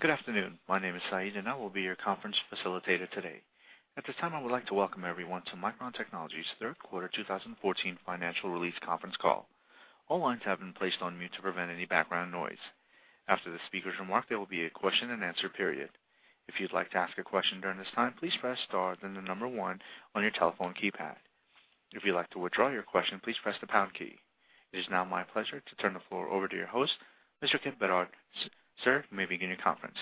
Good afternoon. My name is Saeed, and I will be your conference facilitator today. At this time, I would like to welcome everyone to Micron Technology's third quarter 2014 financial release conference call. All lines have been placed on mute to prevent any background noise. After the speaker's remark, there will be a question-and-answer period. If you'd like to ask a question during this time, please press star, then the number one on your telephone keypad. If you'd like to withdraw your question, please press the pound key. It is now my pleasure to turn the floor over to your host, Mr. Kipp Bedard. Sir, you may begin your conference.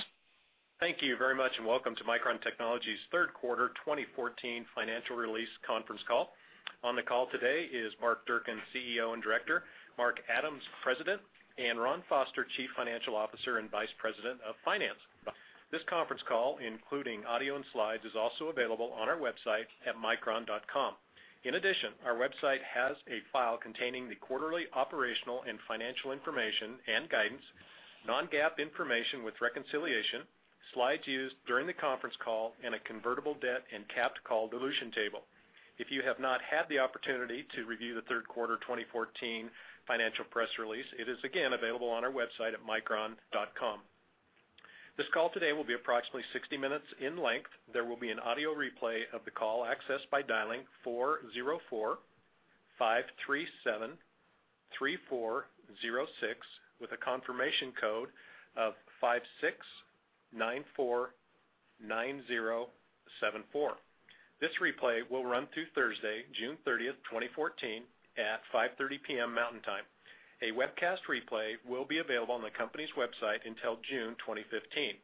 Thank you very much, and welcome to Micron Technology's third quarter 2014 financial release conference call. On the call today is Mark Durcan, CEO and Director, Mark Adams, President, and Ron Foster, Chief Financial Officer and Vice President of Finance. This conference call, including audio and slides, is also available on our website at micron.com. In addition, our website has a file containing the quarterly operational and financial information and guidance, non-GAAP information with reconciliation, slides used during the conference call, and a convertible debt and capped call dilution table. If you have not had the opportunity to review the third quarter 2014 financial press release, it is again available on our website at micron.com. This call today will be approximately 60 minutes in length. There will be an audio replay of the call accessed by dialing 404-537-3406 with a confirmation code of 56 94 90 74. This replay will run through Thursday, June 30th, 2014, at 5:30 P.M. Mountain Time. A webcast replay will be available on the company's website until June 2015.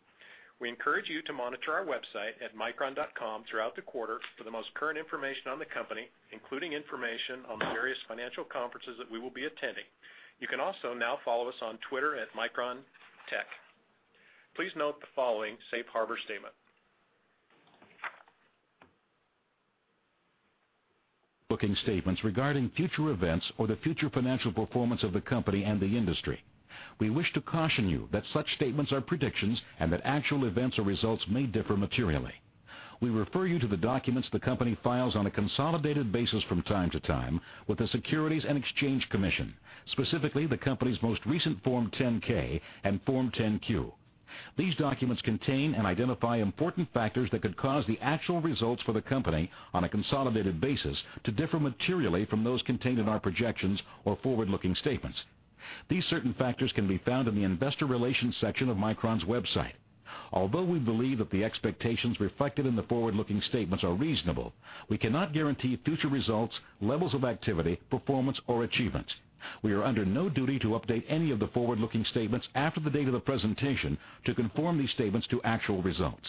We encourage you to monitor our website at micron.com throughout the quarter for the most current information on the company, including information on the various financial conferences that we will be attending. You can also now follow us on Twitter at Micron Tech. Please note the following safe harbor statement. Forward-looking statements regarding future events or the future financial performance of the company and the industry. We wish to caution you that such statements are predictions and that actual events or results may differ materially. We refer you to the documents the company files on a consolidated basis from time to time with the Securities and Exchange Commission, specifically the company's most recent Form 10-K and Form 10-Q. These documents contain and identify important factors that could cause the actual results for the company on a consolidated basis to differ materially from those contained in our projections or forward-looking statements. These certain factors can be found in the investor relations section of Micron's website. Although we believe that the expectations reflected in the forward-looking statements are reasonable, we cannot guarantee future results, levels of activity, performance, or achievements. We are under no duty to update any of the forward-looking statements after the date of the presentation to conform these statements to actual results.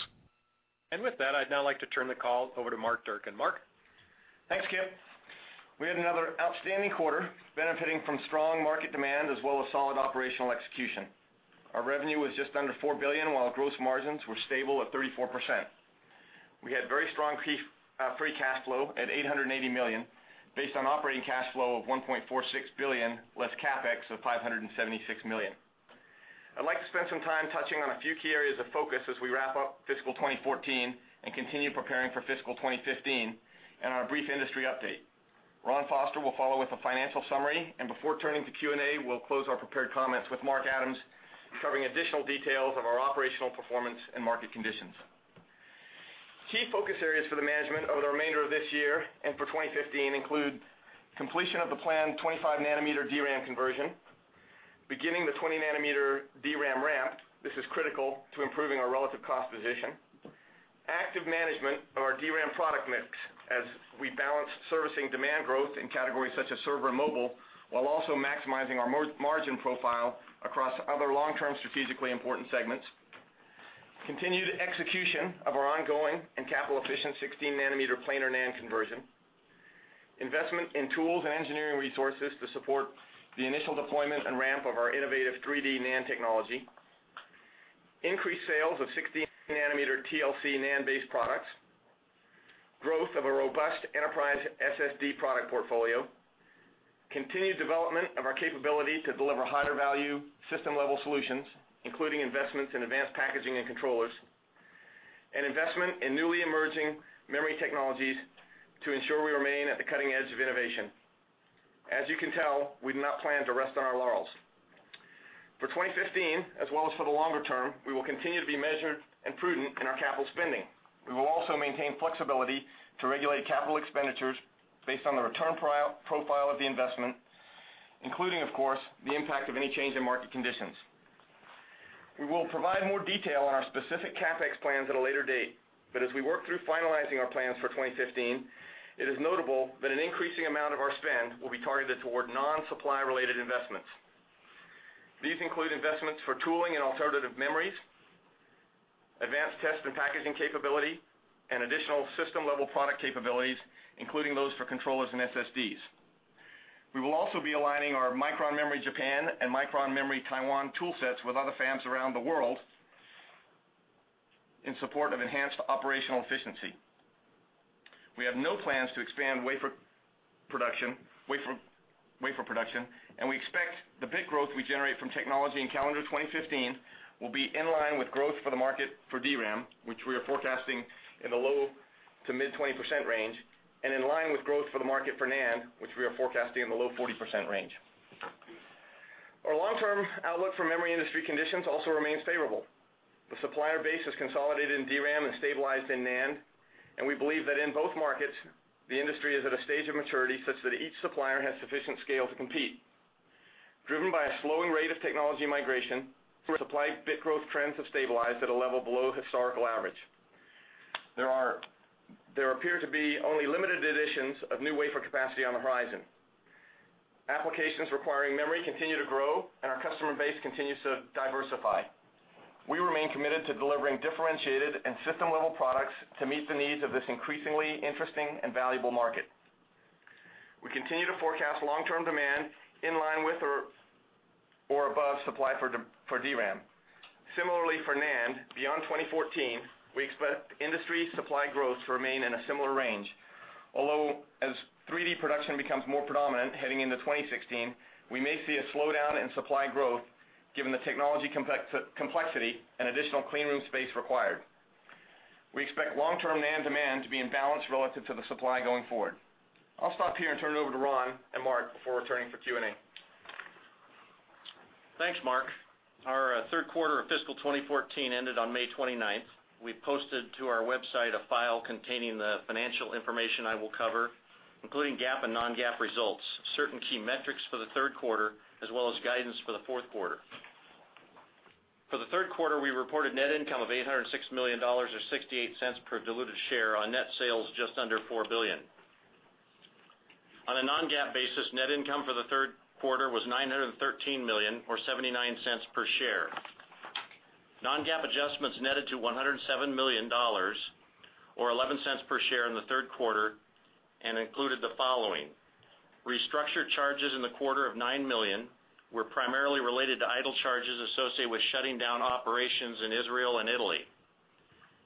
With that, I'd now like to turn the call over to Mark Durcan. Mark? Thanks, Kipp. We had another outstanding quarter, benefiting from strong market demand as well as solid operational execution. Our revenue was just under $4 billion, while gross margins were stable at 34%. We had very strong free cash flow at $880 million based on operating cash flow of $1.46 billion, less CapEx of $576 million. I'd like to spend some time touching on a few key areas of focus as we wrap up fiscal 2014 and continue preparing for fiscal 2015 and our brief industry update. Ron Foster will follow with a financial summary, and before turning to Q&A, we'll close our prepared comments with Mark Adams covering additional details of our operational performance and market conditions. Key focus areas for the management over the remainder of this year and for 2015 include completion of the planned 25-nanometer DRAM conversion, beginning the 20-nanometer DRAM ramp. This is critical to improving our relative cost position. Active management of our DRAM product mix as we balance servicing demand growth in categories such as server and mobile, while also maximizing our margin profile across other long-term strategically important segments. Continued execution of our ongoing and capital-efficient 16-nanometer planar NAND conversion. Investment in tools and engineering resources to support the initial deployment and ramp of our innovative 3D NAND technology. Increased sales of 16-nanometer TLC NAND-based products. Growth of a robust enterprise SSD product portfolio. Continued development of our capability to deliver higher-value system-level solutions, including investments in advanced packaging and controllers. Investment in newly emerging memory technologies to ensure we remain at the cutting edge of innovation. As you can tell, we do not plan to rest on our laurels. For 2015, as well as for the longer term, we will continue to be measured and prudent in our capital spending. We will also maintain flexibility to regulate capital expenditures based on the return profile of the investment, including, of course, the impact of any change in market conditions. We will provide more detail on our specific CapEx plans at a later date, but as we work through finalizing our plans for 2015, it is notable that an increasing amount of our spend will be targeted toward non-supply related investments. These include investments for tooling and alternative memories, advanced test and packaging capability, and additional system-level product capabilities, including those for controllers and SSDs. We will also be aligning our Micron Memory Japan and Micron Memory Taiwan tool sets with other fabs around the world in support of enhanced operational efficiency. We have no plans to expand wafer production, and we expect the bit growth we generate from technology in calendar 2015 will be in line with growth for the market for DRAM, which we are forecasting in the low to mid-20% range, and in line with growth for the market for NAND, which we are forecasting in the low 40% range. Our long-term outlook for memory industry conditions also remains favorable. The supplier base has consolidated in DRAM and stabilized in NAND, and we believe that in both markets, the industry is at a stage of maturity such that each supplier has sufficient scale to compete. Driven by a slowing rate of technology migration, supply bit growth trends have stabilized at a level below historical average. There appear to be only limited additions of new wafer capacity on the horizon. Applications requiring memory continue to grow, and our customer base continues to diversify. We remain committed to delivering differentiated and system-level products to meet the needs of this increasingly interesting and valuable market. We continue to forecast long-term demand in line with or above supply for DRAM. Similarly, for NAND, beyond 2014, we expect industry supply growth to remain in a similar range. Although, as 3D production becomes more predominant heading into 2016, we may see a slowdown in supply growth given the technology complexity and additional clean room space required. We expect long-term NAND demand to be in balance relative to the supply going forward. I'll stop here and turn it over to Ron and Mark before returning for Q&A. Thanks, Mark. Our third quarter of fiscal 2014 ended on May 29th. We posted to our website a file containing the financial information I will cover, including GAAP and non-GAAP results, certain key metrics for the third quarter, as well as guidance for the fourth quarter. For the third quarter, we reported net income of $806 million, or $0.68 per diluted share on net sales just under $4 billion. On a non-GAAP basis, net income for the third quarter was $913 million, or $0.79 per share. Non-GAAP adjustments netted to $107 million or $0.11 per share in the third quarter. Included the following. Restructure charges in the quarter of $9 million were primarily related to idle charges associated with shutting down operations in Israel and Italy.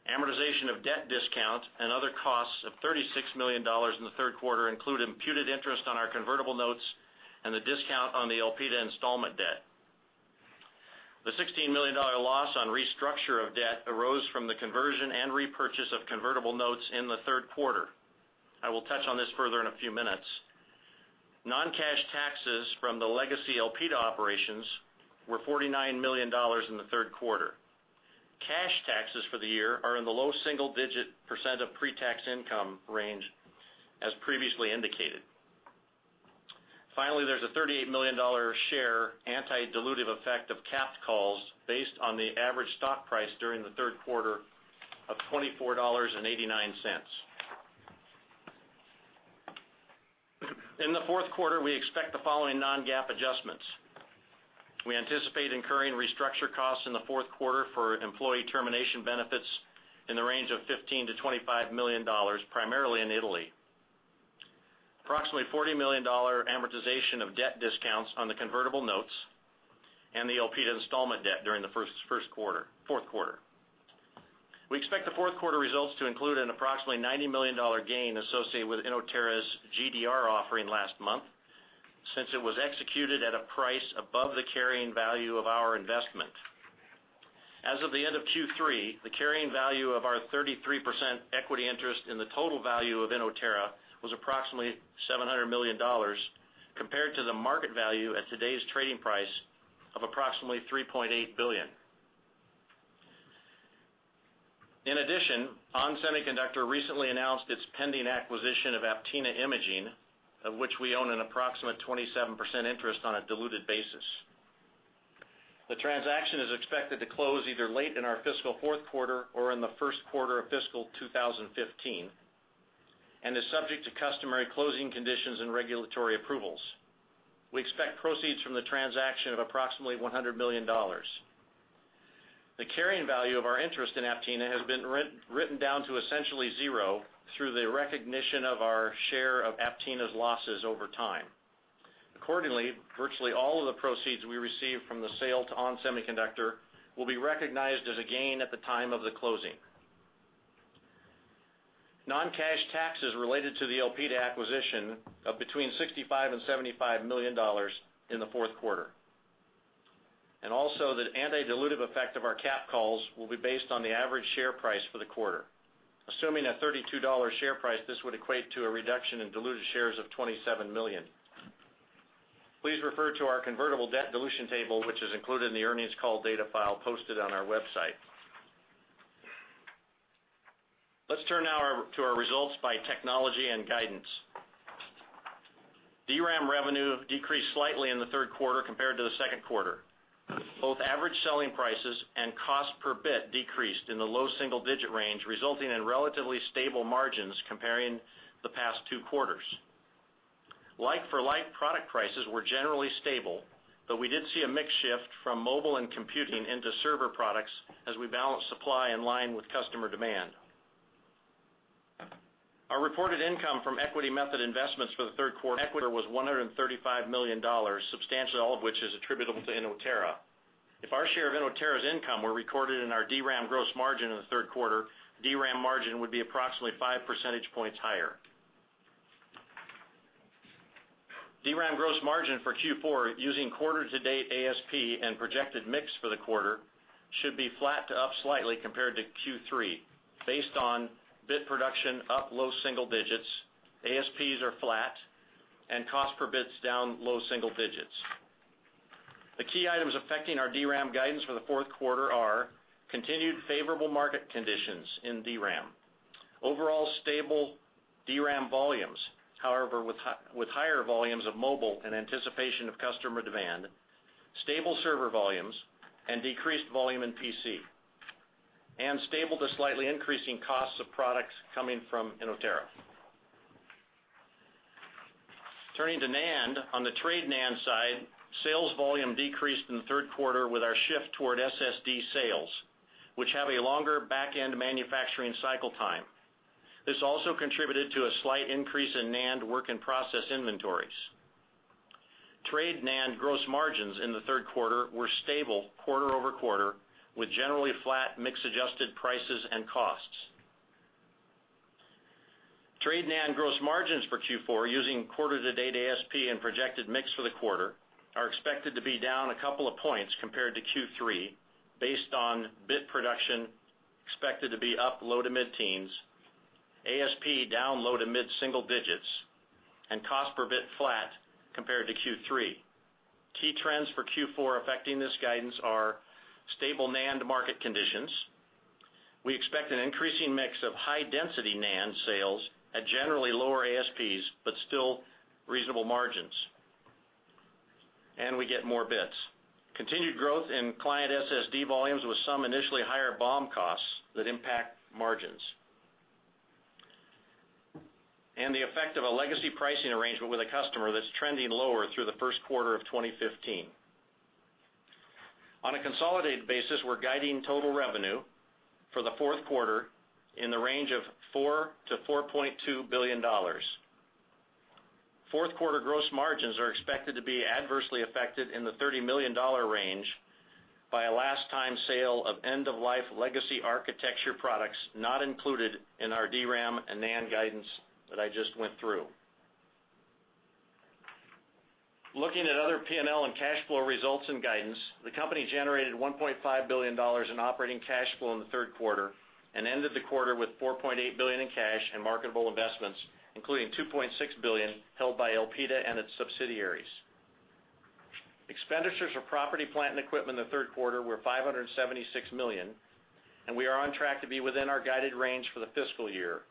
Amortization of debt discount and other costs of $36 million in the third quarter include imputed interest on our convertible notes and the discount on the Elpida installment debt. The $16 million loss on restructure of debt arose from the conversion and repurchase of convertible notes in the third quarter. I will touch on this further in a few minutes. Non-cash taxes from the legacy Elpida operations were $49 million in the third quarter. Cash taxes for the year are in the low single-digit % of pre-tax income range, as previously indicated. Finally, there's a $38 million share anti-dilutive effect of capped calls based on the average stock price during the third quarter of $24.89. In the fourth quarter, we expect the following non-GAAP adjustments. We anticipate incurring restructure costs in the fourth quarter for employee termination benefits in the range of $15 million-$25 million, primarily in Italy. Approximately $40 million amortization of debt discounts on the convertible notes and the Elpida installment debt during the fourth quarter. We expect the fourth quarter results to include an approximately $90 million gain associated with Inotera's GDR offering last month, since it was executed at a price above the carrying value of our investment. As of the end of Q3, the carrying value of our 33% equity interest in the total value of Inotera was approximately $700 million compared to the market value at today's trading price of approximately $3.8 billion. In addition, ON Semiconductor recently announced its pending acquisition of Aptina Imaging, of which we own an approximate 27% interest on a diluted basis. The transaction is expected to close either late in our fiscal fourth quarter or in the first quarter of fiscal 2015, and is subject to customary closing conditions and regulatory approvals. We expect proceeds from the transaction of approximately $100 million. The carrying value of our interest in Aptina has been written down to essentially zero through the recognition of our share of Aptina's losses over time. Accordingly, virtually all of the proceeds we receive from the sale to ON Semiconductor will be recognized as a gain at the time of the closing. Non-cash taxes related to the Elpida acquisition of between $65 million-$75 million in the fourth quarter. The anti-dilutive effect of our cap calls will be based on the average share price for the quarter. Assuming a $32 share price, this would equate to a reduction in diluted shares of 27 million. Please refer to our convertible debt dilution table, which is included in the earnings call data file posted on our website. Let's turn now to our results by technology and guidance. DRAM revenue decreased slightly in the third quarter compared to the second quarter. Both average selling prices and cost per bit decreased in the low single-digit range, resulting in relatively stable margins comparing the past two quarters. Like for like product prices were generally stable, but we did see a mix shift from mobile and computing into server products as we balanced supply in line with customer demand. Our reported income from equity method investments for the third quarter was $135 million, substantially all of which is attributable to Inotera. If our share of Inotera's income were recorded in our DRAM gross margin in the third quarter, DRAM margin would be approximately five percentage points higher. DRAM gross margin for Q4 using quarter-to-date ASP and projected mix for the quarter should be flat to up slightly compared to Q3, based on bit production up low single digits, ASPs are flat, and cost per bit down low single digits. The key items affecting our DRAM guidance for the fourth quarter are continued favorable market conditions in DRAM. Overall stable DRAM volumes, however, with higher volumes of mobile in anticipation of customer demand, stable server volumes, and decreased volume in PC, and stable to slightly increasing costs of products coming from Inotera. Turning to NAND. On the trade NAND side, sales volume decreased in the third quarter with our shift toward SSD sales, which have a longer back-end manufacturing cycle time. This also contributed to a slight increase in NAND work-in-process inventories. Trade NAND gross margins in the third quarter were stable quarter-over-quarter, with generally flat mix-adjusted prices and costs. Trade NAND gross margins for Q4 using quarter-to-date ASP and projected mix for the quarter are expected to be down a couple of points compared to Q3, based on bit production expected to be up low to mid-teens, ASP down low to mid-single digits, and cost per bit flat compared to Q3. Key trends for Q4 affecting this guidance are stable NAND market conditions. We expect an increasing mix of high-density NAND sales at generally lower ASPs, but still reasonable margins. We get more bits. Continued growth in client SSD volumes with some initially higher BOM costs that impact margins. The effect of a legacy pricing arrangement with a customer that is trending lower through the first quarter of 2015. On a consolidated basis, we are guiding total revenue for the fourth quarter in the range of $4 billion-$4.2 billion. Fourth quarter gross margins are expected to be adversely affected in the $30 million range by a last-time sale of end-of-life legacy architecture products not included in our DRAM and NAND guidance that I just went through. Looking at other P&L and cash flow results and guidance, the company generated $1.5 billion in operating cash flow in the third quarter and ended the quarter with $4.8 billion in cash and marketable investments, including $2.6 billion held by Elpida and its subsidiaries. Expenditures for property, plant, and equipment in the third quarter were $576 million, and we are on track to be within our guided range for the fiscal year,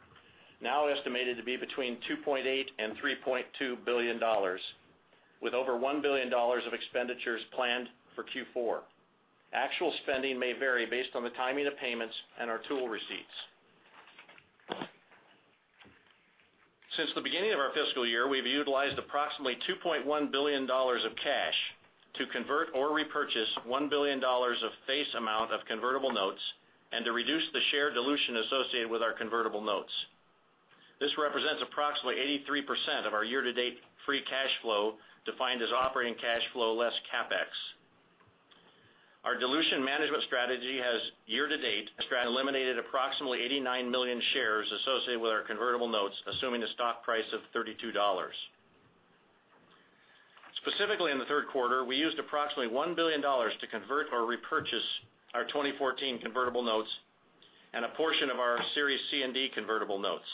now estimated to be between $2.8 billion and $3.2 billion, with over $1 billion of expenditures planned for Q4. Actual spending may vary based on the timing of payments and our tool receipts. Since the beginning of our fiscal year, we have utilized approximately $2.1 billion of cash to convert or repurchase $1 billion of face amount of convertible notes and to reduce the share dilution associated with our convertible notes. This represents approximately 83% of our year-to-date free cash flow, defined as operating cash flow less CapEx. Our dilution management strategy has, year to date, eliminated approximately 89 million shares associated with our convertible notes, assuming a stock price of $32. Specifically, in the third quarter, we used approximately $1 billion to convert or repurchase our 2014 convertible notes and a portion of our Series C and D convertible notes.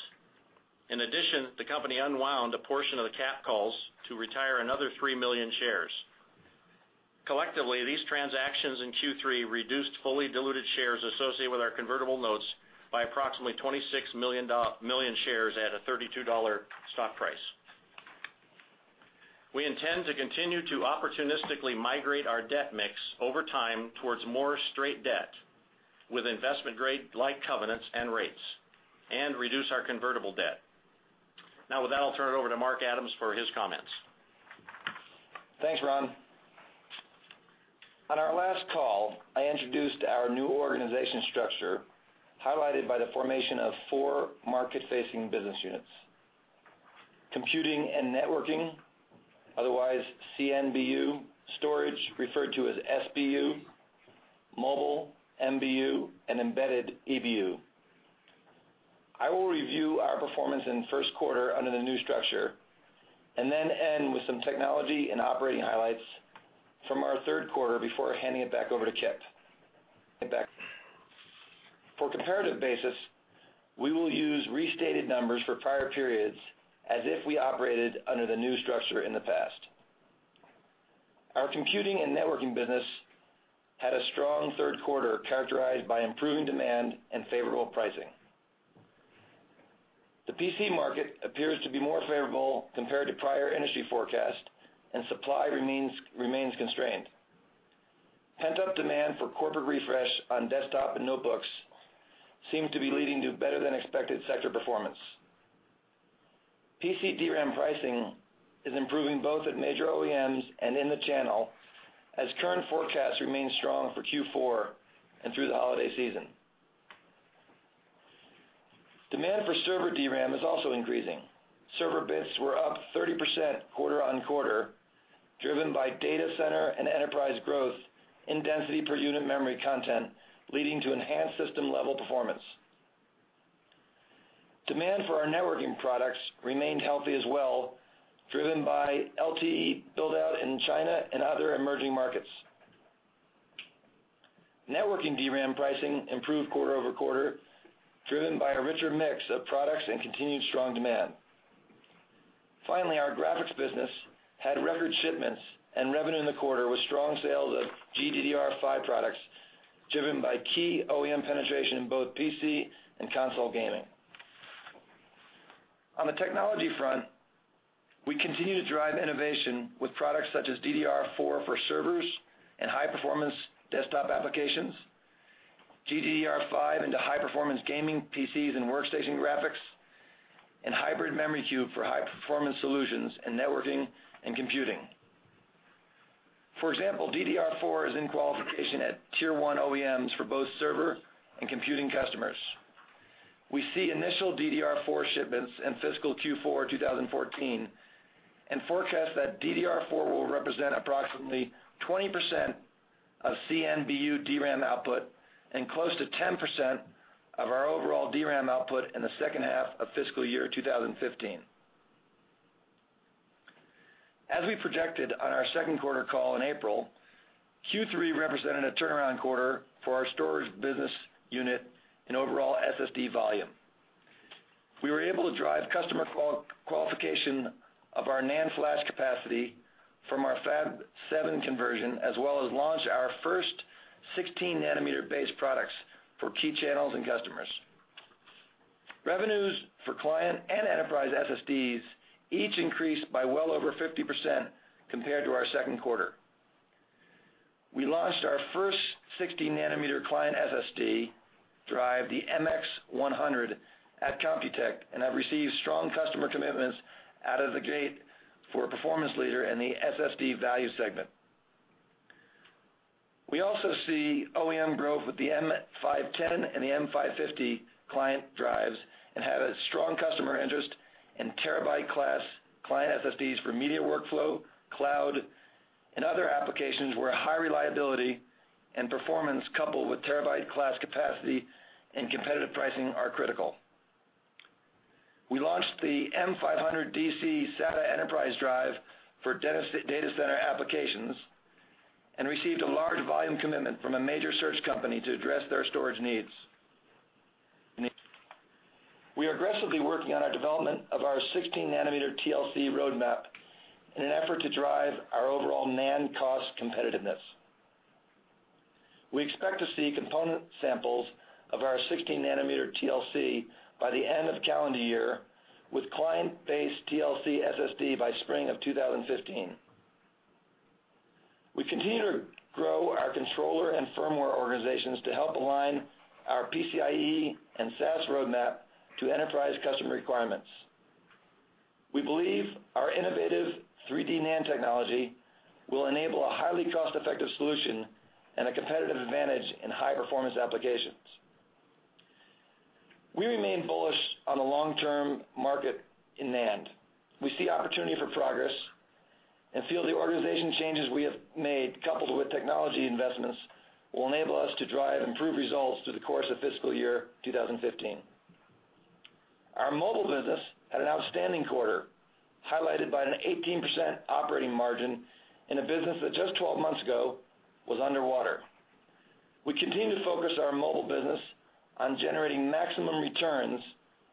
In addition, the company unwound a portion of the cap calls to retire another 3 million shares. Collectively, these transactions in Q3 reduced fully diluted shares associated with our convertible notes by approximately 26 million shares at a $32 stock price. We intend to continue to opportunistically migrate our debt mix over time towards more straight debt with investment-grade-like covenants and rates, and reduce our convertible debt. Now, with that, I'll turn it over to Mark Adams for his comments. Thanks, Ron. On our last call, I introduced our new organization structure, highlighted by the formation of four market-facing business units. Computing and networking, otherwise CNBU, storage, referred to as SBU, mobile, MBU, and embedded, EBU. I will review our performance in the first quarter under the new structure, and then end with some technology and operating highlights from our third quarter before handing it back over to Kipp. For a comparative basis, we will use restated numbers for prior periods as if we operated under the new structure in the past. Our computing and networking business had a strong third quarter characterized by improving demand and favorable pricing. The PC market appears to be more favorable compared to prior industry forecast, and supply remains constrained. Pent-up demand for corporate refresh on desktop and notebooks seems to be leading to better-than-expected sector performance. PC DRAM pricing is improving both at major OEMs and in the channel, as current forecasts remain strong for Q4 and through the holiday season. Demand for server DRAM is also increasing. Server bits were up 30% quarter-on-quarter, driven by data center and enterprise growth in density per unit memory content, leading to enhanced system-level performance. Demand for our networking products remained healthy as well, driven by LTE build-out in China and other emerging markets. Networking DRAM pricing improved quarter-over-quarter, driven by a richer mix of products and continued strong demand. Finally, our graphics business had record shipments and revenue in the quarter with strong sales of GDDR5 products, driven by key OEM penetration in both PC and console gaming. On the technology front, we continue to drive innovation with products such as DDR4 for servers and high-performance desktop applications, GDDR5 into high-performance gaming PCs and workstation graphics, and Hybrid Memory Cube for high-performance solutions in networking and computing. For example, DDR4 is in qualification at Tier 1 OEMs for both server and computing customers. We see initial DDR4 shipments in fiscal Q4 2014, and forecast that DDR4 will represent approximately 20% of CNBU DRAM output and close to 10% of our overall DRAM output in the second half of fiscal year 2015. As we projected on our second quarter call in April, Q3 represented a turnaround quarter for our storage business unit in overall SSD volume. We were able to drive customer qualification of our NAND flash capacity from our Fab 7 conversion, as well as launch our first 16-nanometer-based products for key channels and customers. Revenues for client and enterprise SSDs each increased by well over 50% compared to our second quarter. We launched our first 16-nanometer client SSD drive, the MX100, at Computex, and have received strong customer commitments out of the gate for a performance leader in the SSD value segment. We also see OEM growth with the M510 and the M550 client drives and have a strong customer interest in terabyte class client SSDs for media workflow, cloud, and other applications where high reliability and performance coupled with terabyte class capacity and competitive pricing are critical. We launched the M500DC SATA enterprise drive for data center applications and received a large volume commitment from a major search company to address their storage needs. We are aggressively working on our development of our 16-nanometer TLC roadmap in an effort to drive our overall NAND cost competitiveness. We expect to see component samples of our 16-nanometer TLC by the end of calendar year, with client-based TLC SSD by spring of 2015. We continue to grow our controller and firmware organizations to help align our PCIE and SAS roadmap to enterprise customer requirements. We believe our innovative 3D NAND technology will enable a highly cost-effective solution and a competitive advantage in high-performance applications. We remain bullish on the long-term market in NAND. We see opportunity for progress and feel the organization changes we have made, coupled with technology investments, will enable us to drive improved results through the course of fiscal year 2015. Our mobile business had an outstanding quarter, highlighted by an 18% operating margin in a business that just 12 months ago was underwater. We continue to focus our mobile business on generating maximum returns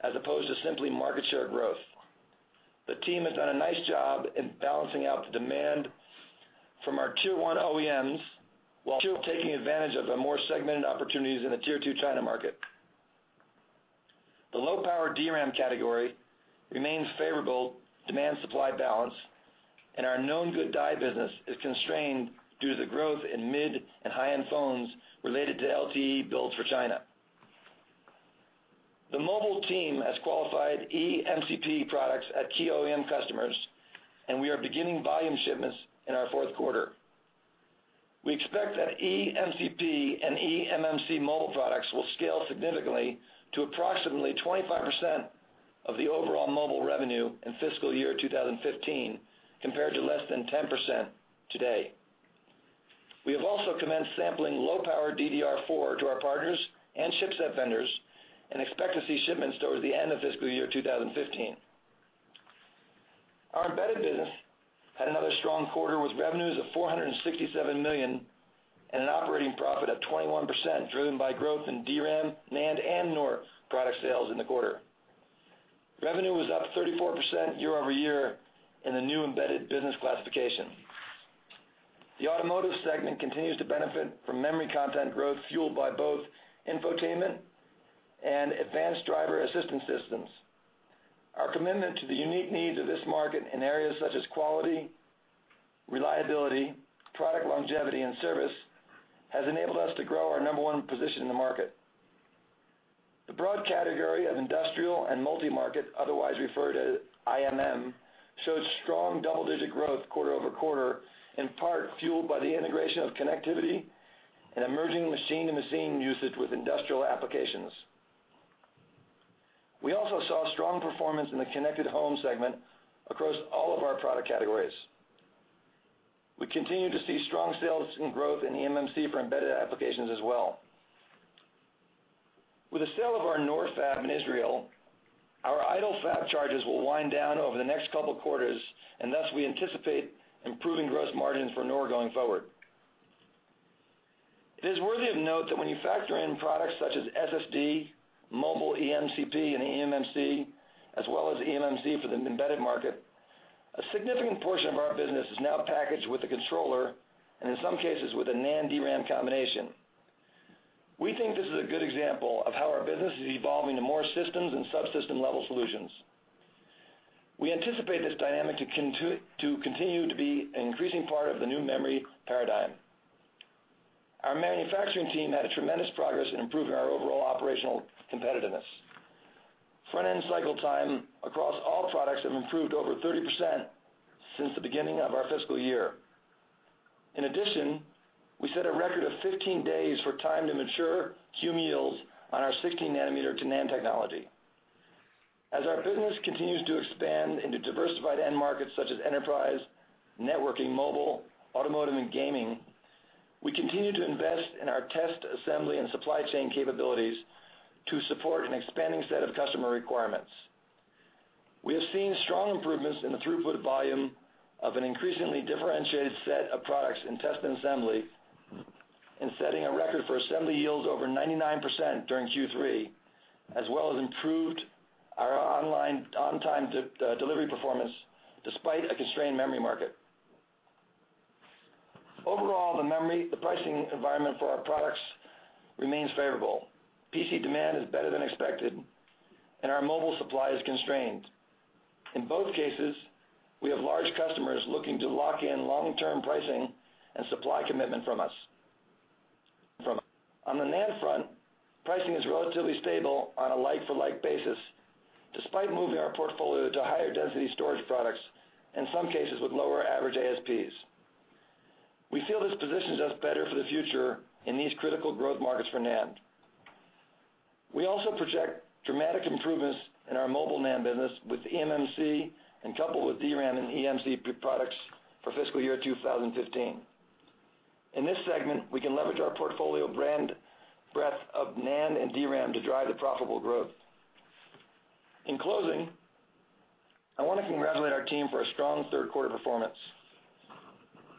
as opposed to simply market share growth. The team has done a nice job in balancing out the demand from our Tier 1 OEMs while still taking advantage of the more segmented opportunities in the Tier 2 China market. The low-power DRAM category remains favorable demand-supply balance, and our Known Good Die business is constrained due to the growth in mid and high-end phones related to LTE builds for China. The mobile team has qualified eMCP products at key OEM customers, and we are beginning volume shipments in our fourth quarter. We expect that eMCP and eMMC mobile products will scale significantly to approximately 25% of the overall mobile revenue in fiscal year 2015, compared to less than 10% today. We have also commenced sampling low-power DDR4 to our partners and chipset vendors and expect to see shipments towards the end of fiscal year 2015. Our embedded business had another strong quarter with revenues of $467 million and an operating profit of 21%, driven by growth in DRAM, NAND, and NOR product sales in the quarter. Revenue was up 34% year-over-year in the new embedded business classification. The automotive segment continues to benefit from memory content growth fueled by both infotainment and advanced driver assistance systems. Our commitment to the unique needs of this market in areas such as quality, reliability, product longevity, and service has enabled us to grow our number 1 position in the market. The broad category of industrial and multi-market, otherwise referred to as IMM, showed strong double-digit growth quarter-over-quarter, in part fueled by the integration of connectivity and emerging machine-to-machine usage with industrial applications. We also saw strong performance in the connected home segment across all of our product categories. We continue to see strong sales and growth in the eMMC for embedded applications as well. With the sale of our NOR fab in Israel, our idle fab charges will wind down over the next couple of quarters, and thus we anticipate improving gross margins for NOR going forward. It is worthy of note that when you factor in products such as SSD, mobile eMCP and eMMC, as well as eMMC for the embedded market, a significant portion of our business is now packaged with a controller, and in some cases, with a NAND DRAM combination. We think this is a good example of how our business is evolving to more systems and subsystem-level solutions. We anticipate this dynamic to continue to be an increasing part of the new memory paradigm. Our manufacturing team had a tremendous progress in improving our overall operational competitiveness. Front-end cycle time across all products have improved over 30% since the beginning of our fiscal year. In addition, we set a record of 15 days for time to mature Q yields on our 16-nanometer NAND technology. As our business continues to expand into diversified end markets such as enterprise, networking, mobile, automotive, and gaming, we continue to invest in our test, assembly, and supply chain capabilities to support an expanding set of customer requirements. We have seen strong improvements in the throughput volume of an increasingly differentiated set of products in test and assembly, and setting a record for assembly yields over 99% during Q3, as well as improved our on-time delivery performance despite a constrained memory market. Overall, the pricing environment for our products remains favorable. PC demand is better than expected, and our mobile supply is constrained. In both cases, we have large customers looking to lock in long-term pricing and supply commitment from us. On the NAND front, pricing is relatively stable on a like-for-like basis, despite moving our portfolio to higher density storage products, in some cases, with lower average ASPs. We feel this positions us better for the future in these critical growth markets for NAND. We also project dramatic improvements in our mobile NAND business with eMMC and coupled with DRAM and eMCP products for fiscal year 2015. In this segment, we can leverage our portfolio brand breadth of NAND and DRAM to drive the profitable growth. In closing, I want to congratulate our team for a strong third quarter performance.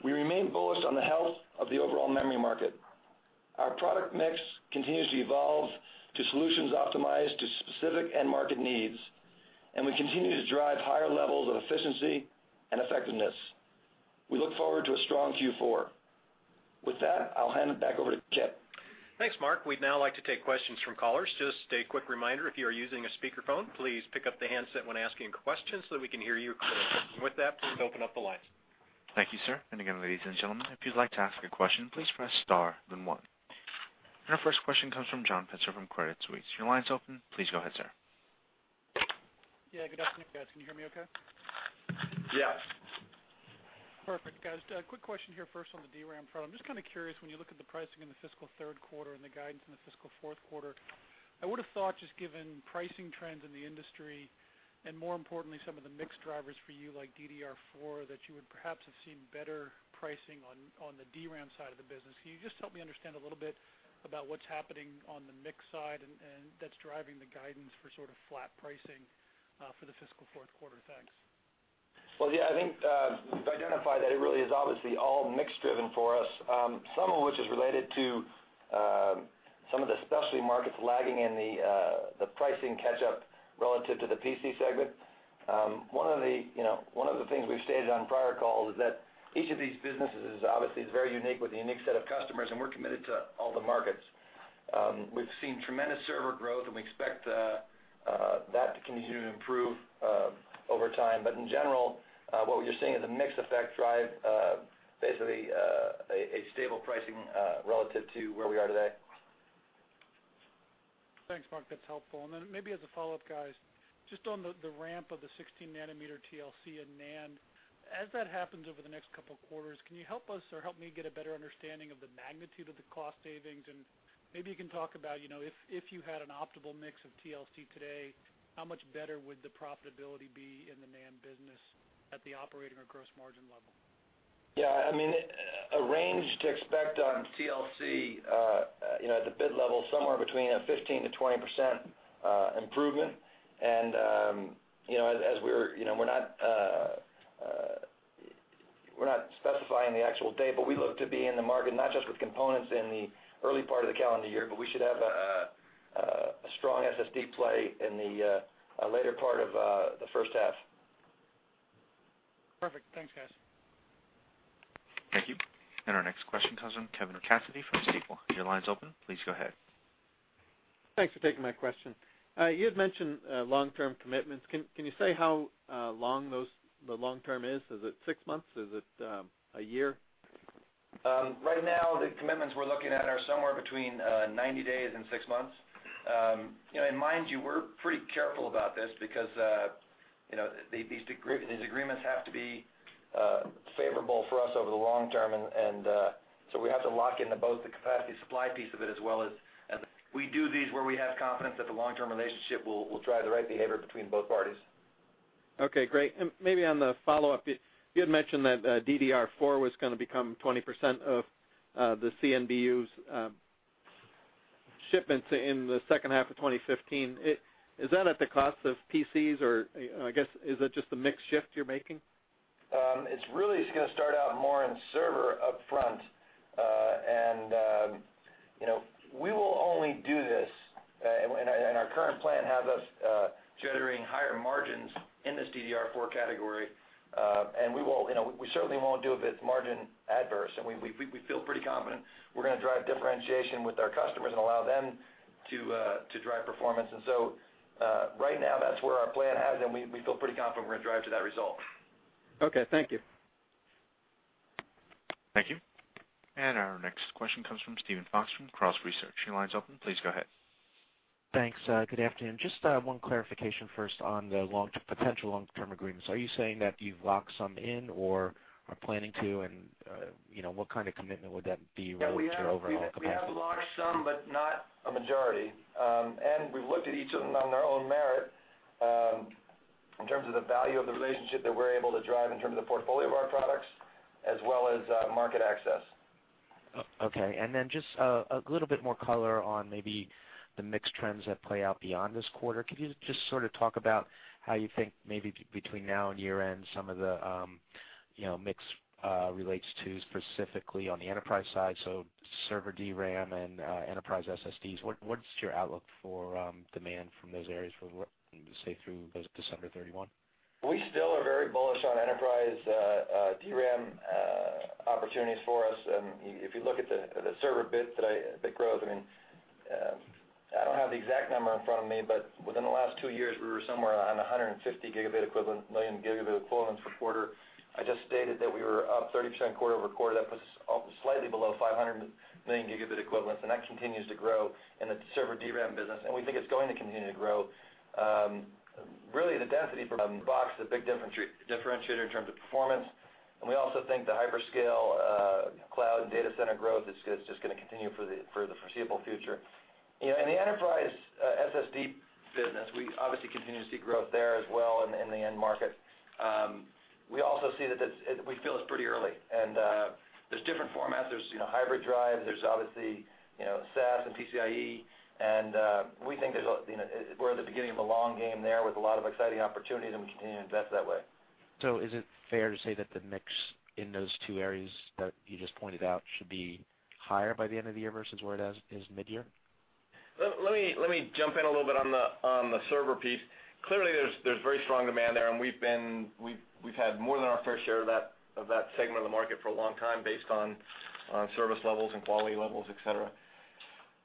We remain bullish on the health of the overall memory market. Our product mix continues to evolve to solutions optimized to specific end market needs, and we continue to drive higher levels of efficiency and effectiveness. We look forward to a strong Q4. With that, I'll hand it back over to Chip. Thanks, Mark. We'd now like to take questions from callers. Just a quick reminder, if you are using a speakerphone, please pick up the handset when asking questions so that we can hear you clearly. With that, please open up the lines. Thank you, sir. Again, ladies and gentlemen, if you'd like to ask a question, please press star then one. Our first question comes from John Pitzer from Credit Suisse. Your line's open. Please go ahead, sir. Yeah, good afternoon, guys. Can you hear me okay? Yes. Perfect. Guys, quick question here first on the DRAM front. I'm just kind of curious, when you look at the pricing in the fiscal third quarter and the guidance in the fiscal fourth quarter, I would have thought just given pricing trends in the industry and more importantly, some of the mix drivers for you like DDR4, that you would perhaps have seen better pricing on the DRAM side of the business. Can you just help me understand a little bit about what's happening on the mix side and that's driving the guidance for sort of flat pricing for the fiscal fourth quarter? Thanks. Well, yeah, I think we've identified that it really is obviously all mix-driven for us. Some of which is related to some of the specialty markets lagging in the pricing catch-up relative to the PC segment. One of the things we've stated on prior calls is that each of these businesses obviously is very unique with a unique set of customers, and we're committed to all the markets. We've seen tremendous server growth, and we expect that to continue to improve over time. In general, what we're seeing is a mix effect drive, basically, a stable pricing relative to where we are today. Thanks, Mark. That's helpful. Then maybe as a follow-up, guys, just on the ramp of the 16-nanometer TLC and NAND, as that happens over the next couple of quarters, can you help us or help me get a better understanding of the magnitude of the cost savings? Maybe you can talk about, if you had an optimal mix of TLC today, how much better would the profitability be in the NAND business at the operating or gross margin level? Yeah. A range to expect on TLC, at the bid level, somewhere between a 15%-20% improvement. We're not specifying the actual date, but we look to be in the market, not just with components in the early part of the calendar year, but we should have a strong SSD play in the later part of the first half. Perfect. Thanks, guys. Thank you. Our next question comes from Kevin Cassidy from Stifel. Your line's open. Please go ahead. Thanks for taking my question. You had mentioned long-term commitments. Can you say how long the long-term is? Is it six months? Is it a year? Right now, the commitments we're looking at are somewhere between 90 days and six months. Mind you, we're pretty careful about this because these agreements have to be favorable for us over the long term and So we have to lock in both the capacity supply piece of it as well as We do these where we have confidence that the long-term relationship will drive the right behavior between both parties. Okay, great. Maybe on the follow-up, you had mentioned that DDR4 was going to become 20% of the CNBU's shipments in the second half of 2015. Is that at the cost of PCs, or I guess, is it just a mix shift you're making? It's really just going to start out more in server up front. We will only do this, our current plan has us generating higher margins in this DDR4 category. We certainly won't do it if it's margin adverse, we feel pretty confident we're going to drive differentiation with our customers and allow them to drive performance. Right now, that's where our plan has, we feel pretty confident we're going to drive to that result. Okay. Thank you. Thank you. Our next question comes from Steven Fox from Cross Research. Your line's open. Please go ahead. Thanks. Good afternoon. Just one clarification first on the potential long-term agreements. Are you saying that you've locked some in or are planning to, what kind of commitment would that be related to overall capacity? Yeah, we have locked some, but not a majority. We've looked at each of them on their own merit, in terms of the value of the relationship that we're able to drive, in terms of the portfolio of our products, as well as market access. Okay. Then just a little bit more color on maybe the mix trends that play out beyond this quarter. Could you just sort of talk about how you think maybe between now and year-end, some of the mix relates to specifically on the enterprise side, so server DRAM and enterprise SSDs. What's your outlook for demand from those areas from, say, through December 31? We still are very bullish on enterprise DRAM opportunities for us. If you look at the server bit growth, I don't have the exact number in front of me, but within the last two years, we were somewhere on 150 million gigabit equivalents per quarter. I just stated that we were up 30% quarter-over-quarter. That puts us up slightly below 500 million gigabit equivalents, and that continues to grow in the server DRAM business, and we think it's going to continue to grow. Really, the density per box, the big differentiator in terms of performance, and we also think the hyperscale cloud and data center growth is just going to continue for the foreseeable future. In the enterprise SSD business, we obviously continue to see growth there as well in the end market. We feel it's pretty early, and there's different formats. There's hybrid drive, there's obviously SAS and PCIe. We think we're at the beginning of a long game there with a lot of exciting opportunities, and we continue to invest that way. Is it fair to say that the mix in those two areas that you just pointed out should be higher by the end of the year versus where it is mid-year? Let me jump in a little bit on the server piece. Clearly, there's very strong demand there, and we've had more than our fair share of that segment of the market for a long time based on service levels and quality levels, et cetera.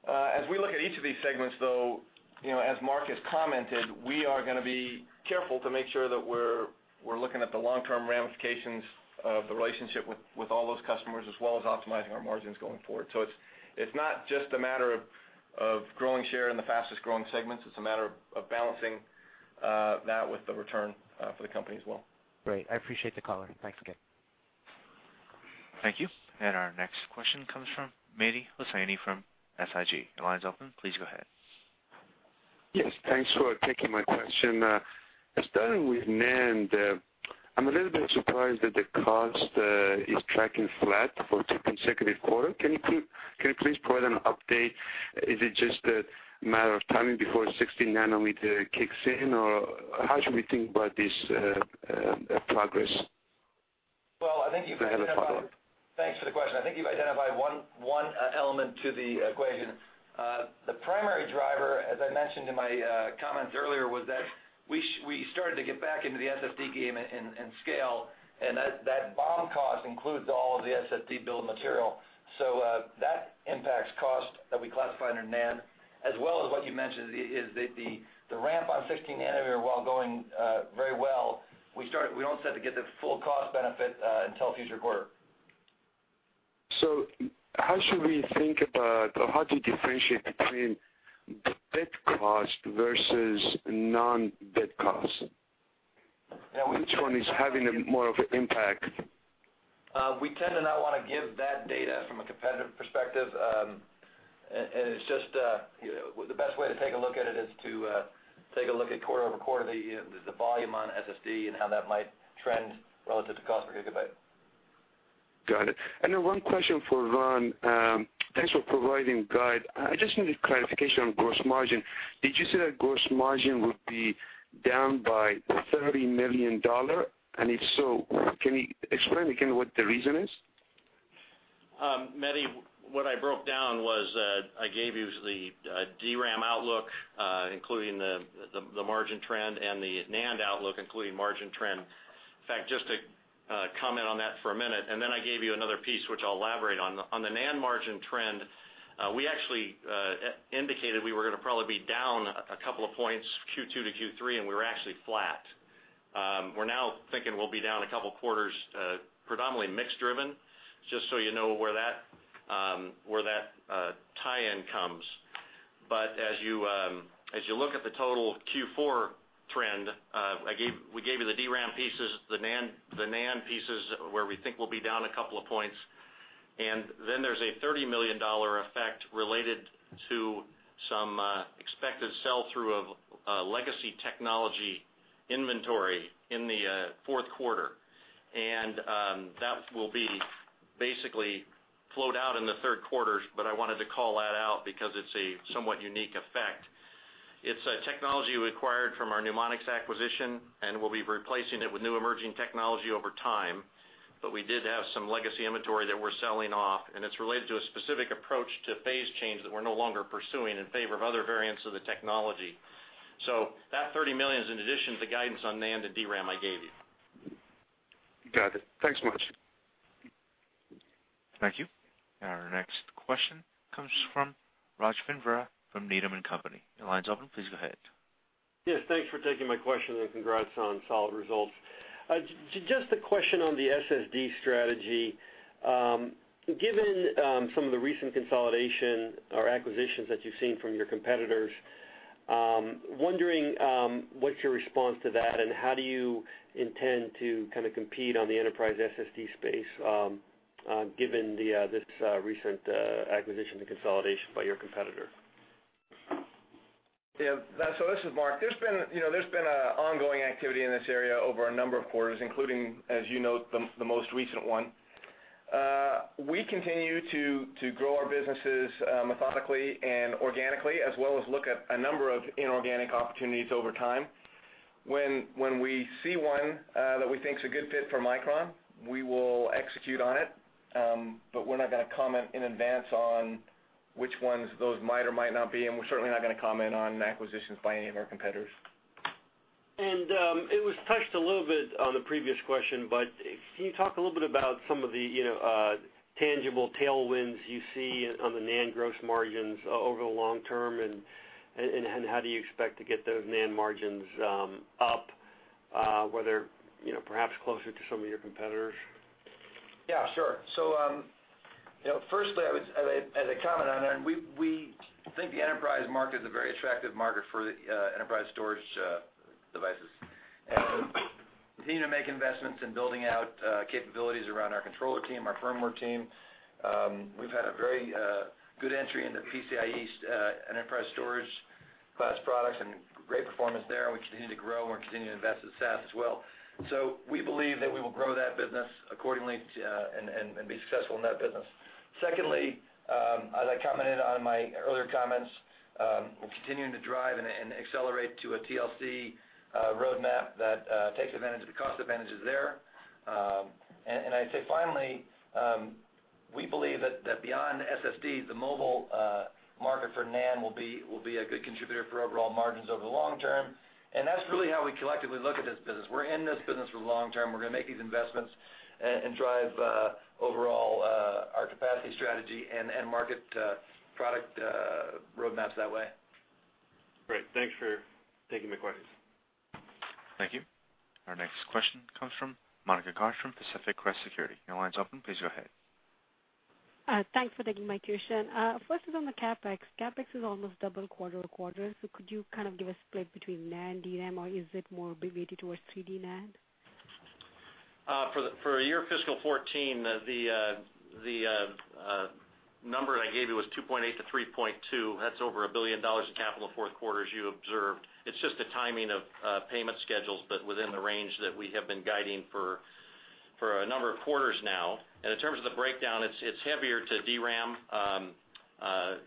As we look at each of these segments, though, as Mark has commented, we are going to be careful to make sure that we're looking at the long-term ramifications of the relationship with all those customers, as well as optimizing our margins going forward. It's not just a matter of growing share in the fastest-growing segments. It's a matter of balancing that with the return for the company as well. Great. I appreciate the color. Thanks again. Thank you. Our next question comes from Mehdi Hosseini from SIG. Your line's open. Please go ahead. Yes, thanks for taking my question. Starting with NAND, I'm a little bit surprised that the cost is tracking flat for two consecutive quarters. Can you please provide an update? Is it just a matter of timing before 16-nanometer kicks in, or how should we think about this progress? Well, I think you've identified. I have a follow-up. Thanks for the question. I think you've identified one element to the equation. The primary driver, as I mentioned in my comments earlier, was that we started to get back into the SSD game and scale, and that BOM cost includes all of the SSD bill of material. That impacts cost that we classify under NAND, as well as what you mentioned, is the ramp on 16-nanometer, while going very well, we don't expect to get the full cost benefit until future quarter. How should we think about, or how do you differentiate between bit cost versus non-bit cost? Which one is having more of an impact? We tend to not want to give that data from a competitive perspective. The best way to take a look at it is to take a look at quarter-over-quarter, the volume on SSD and how that might trend relative to cost per gigabyte. Got it. Then one question for Ron. Thanks for providing guide. I just needed clarification on gross margin. Did you say that gross margin would be down by $30 million? If so, can you explain again what the reason is? Mehdi, what I broke down was I gave you the DRAM outlook, including the margin trend, and the NAND outlook, including margin trend. In fact, just to comment on that for a minute, and then I gave you another piece, which I'll elaborate on. On the NAND margin trend, we actually indicated we were going to probably be down a couple of points Q2 to Q3, and we were actually flat. We're now thinking we'll be down a couple of quarters, predominantly mix-driven, just so you know where that tie-in comes. As you look at the total Q4 trend, we gave you the DRAM pieces, the NAND pieces where we think we'll be down a couple of points, and then there's a $30 million effect related to some expected sell-through of legacy technology inventory in the fourth quarter. That will be basically flowed out in the third quarter, but I wanted to call that out because it's a somewhat unique effect. It's a technology we acquired from our Numonyx acquisition, and we'll be replacing it with new emerging technology over time. We did have some legacy inventory that we're selling off, and it's related to a specific approach to phase change that we're no longer pursuing in favor of other variants of the technology. That $30 million is in addition to the guidance on NAND and DRAM I gave you. Got it. Thanks much. Thank you. Our next question comes from Rajvindra Gill from Needham & Company. Your line's open. Please go ahead. Thanks for taking my question and congrats on solid results. Just a question on the SSD strategy. Given some of the recent consolidation or acquisitions that you've seen from your competitors, wondering what's your response to that and how do you intend to compete on the enterprise SSD space given this recent acquisition and consolidation by your competitor? Yeah. This is Mark. There's been ongoing activity in this area over a number of quarters, including, as you note, the most recent one. We continue to grow our businesses methodically and organically, as well as look at a number of inorganic opportunities over time. When we see one that we think is a good fit for Micron, we will execute on it. We're not going to comment in advance on which ones those might or might not be, and we're certainly not going to comment on acquisitions by any of our competitors. It was touched a little bit on the previous question. Can you talk a little bit about some of the tangible tailwinds you see on the NAND gross margins over the long term, and how do you expect to get those NAND margins up, whether perhaps closer to some of your competitors? Yeah, sure. Firstly, as I comment on it, we think the enterprise market is a very attractive market for enterprise storage devices. We continue to make investments in building out capabilities around our controller team, our firmware team. We've had a very good entry into PCIe enterprise storage class products and great performance there, and we continue to grow and we continue to invest in SAS as well. We believe that we will grow that business accordingly and be successful in that business. Secondly, as I commented on in my earlier comments, we're continuing to drive and accelerate to a TLC roadmap that takes advantage of the cost advantages there. I'd say finally, we believe that beyond SSD, the mobile market for NAND will be a good contributor for overall margins over the long term, and that's really how we collectively look at this business. We're in this business for the long term. We're going to make these investments and drive overall our capacity strategy and market product roadmaps that way. Great. Thanks for taking the questions. Thank you. Our next question comes from Monika Garg from Pacific Crest Securities. Your line's open. Please go ahead. Thanks for taking my question. First is on the CapEx. CapEx is almost double quarter-over-quarter. Could you kind of give a split between NAND, DRAM, or is it more weighted towards 3D NAND? For year fiscal 2014, the number that I gave you was $2.8 billion-$3.2 billion. That's over $1 billion of capital fourth quarter, as you observed. It's just the timing of payment schedules, but within the range that we have been guiding for a number of quarters now. In terms of the breakdown, it's heavier to DRAM.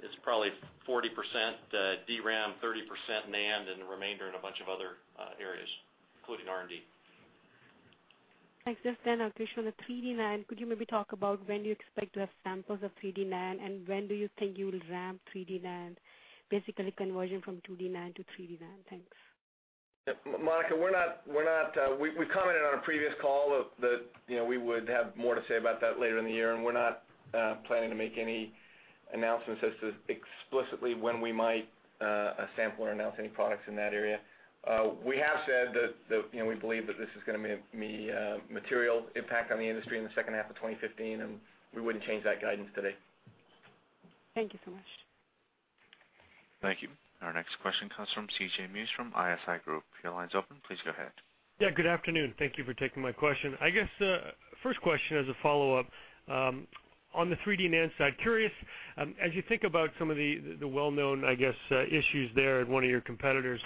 It's probably 40% DRAM, 30% NAND, and the remainder in a bunch of other areas, including R&D. Thanks. Just then, a question on the 3D NAND. Could you maybe talk about when do you expect to have samples of 3D NAND, when do you think you will ramp 3D NAND, basically conversion from 2D NAND to 3D NAND? Thanks. Monika, we commented on a previous call that we would have more to say about that later in the year, we're not planning to make any announcements as to explicitly when we might sample or announce any products in that area. We have said that we believe that this is going to be a material impact on the industry in the second half of 2015, we wouldn't change that guidance today. Thank you so much. Thank you. Our next question comes from C.J. Muse from ISI Group. Your line's open. Please go ahead. Yeah, good afternoon. Thank you for taking my question. I guess, first question as a follow-up, on the 3D NAND side, as you think about some of the well-known, I guess, issues there at one of your competitors,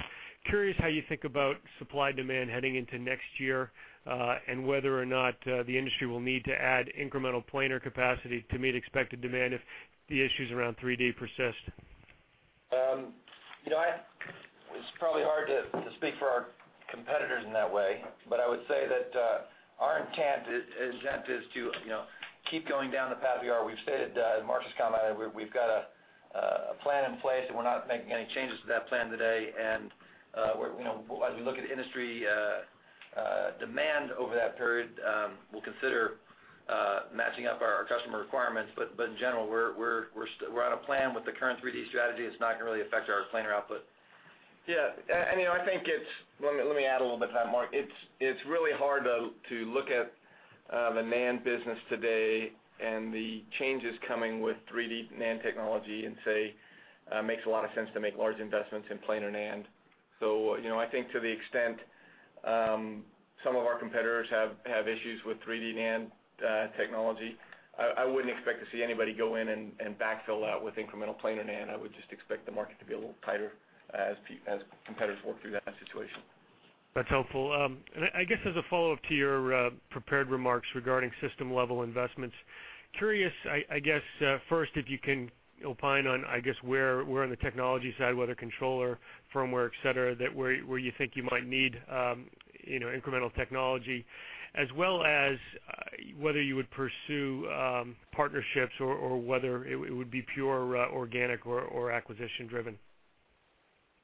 curious how you think about supply-demand heading into next year, and whether or not the industry will need to add incremental planar capacity to meet expected demand if the issues around 3D persist. It's probably hard to speak for our competitors in that way, but I would say that our intent is to keep going down the path we are. We've stated, as Mark just commented, we've got a plan in place, and we're not making any changes to that plan today. As we look at industry demand over that period, we'll consider matching up our customer requirements. In general, we're on a plan with the current 3D strategy. It's not going to really affect our planar output. Yeah. Let me add a little bit to that, Mark. It's really hard to look at the NAND business today and the changes coming with 3D NAND technology and say, it makes a lot of sense to make large investments in planar NAND. I think to the extent some of our competitors have issues with 3D NAND technology, I wouldn't expect to see anybody go in and backfill that with incremental planar NAND. I would just expect the market to be a little tighter as competitors work through that situation. That's helpful. I guess as a follow-up to your prepared remarks regarding system-level investments, curious, I guess, first, if you can opine on where on the technology side, whether controller, firmware, et cetera, where you think you might need incremental technology, as well as whether you would pursue partnerships or whether it would be pure organic or acquisition-driven.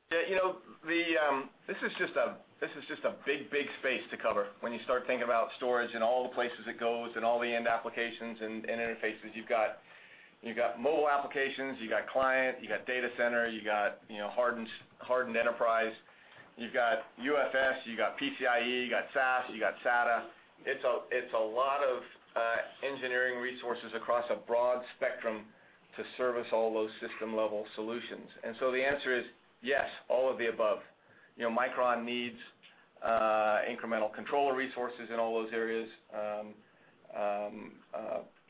This is just a big, big space to cover when you start thinking about storage and all the places it goes and all the end applications and interfaces. You've got mobile applications. You've got client. You've got data center. You've got hardened enterprise. You've got UFS. You've got PCIE. You've got SAS. You've got SATA. It's a lot of engineering resources across a broad spectrum to service all those system-level solutions. The answer is, yes, all of the above. Micron needs incremental controller resources in all those areas,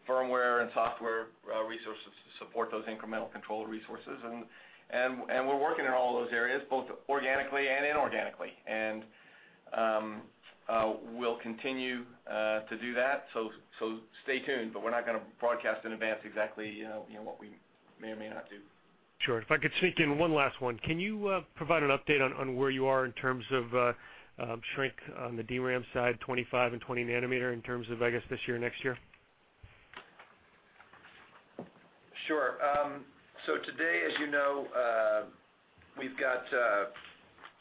firmware and software resources to support those incremental controller resources. We're working in all those areas, both organically and inorganically. We'll continue to do that. Stay tuned, but we're not going to broadcast in advance exactly what we may or may not do. Sure. If I could sneak in one last one, can you provide an update on where you are in terms of shrink on the DRAM side, 25-nanometer and 20-nanometer, in terms of, I guess, this year, next year? Sure. Today, as you know, we've got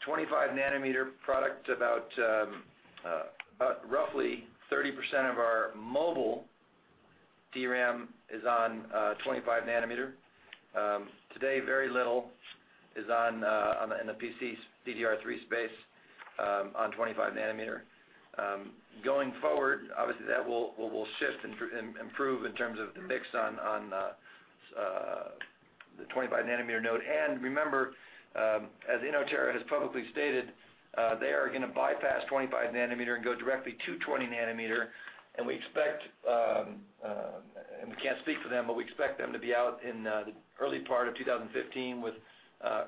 25-nanometer product. About roughly 30% of our mobile DRAM is on 25-nanometer. Today, very little is in the PC DDR3 space on 25-nanometer. Going forward, obviously, that will shift and improve in terms of the mix on the 25-nanometer node. Remember, as Inotera has publicly stated, they are going to bypass 25-nanometer and go directly to 20-nanometer. We can't speak for them, but we expect them to be out in the early part of 2015 with